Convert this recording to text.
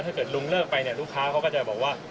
ถ้าเกิดลุงเลิกไปเนี่ยลูกค้าเขาก็จะบอกว่า